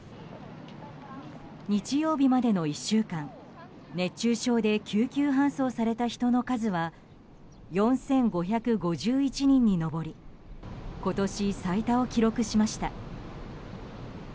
日曜日までの１週間熱中症で救急搬送された人の数は４５５１人に上り今年最多を記録しました。